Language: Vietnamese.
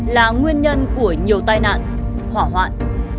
là nguyên nhân của nhiều tai nạn hỏa hoạn